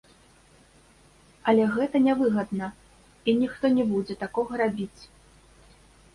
Але гэта нявыгадна, і ніхто не будзе такога рабіць.